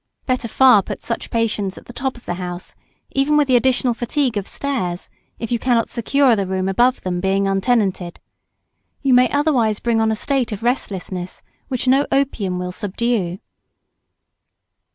Better far put such patients at the top of the house, even with the additional fatigue of stairs, if you cannot secure the room above them being untenanted; you may otherwise bring on a state of restlessness which no opium will subdue.